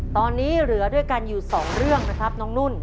ตอนนี้เหลือด้วยกันอยู่สองเรื่องนะครับน้องนุ่น